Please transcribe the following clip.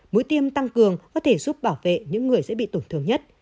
mũi tiêm tăng cường có thể giúp bảo vệ những người dễ bị tổn thương nhất